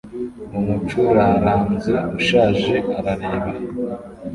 Umucuraranzi ushaje arareba